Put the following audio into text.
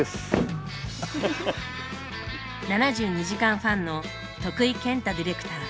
「７２時間」ファンの徳井健太ディレクター。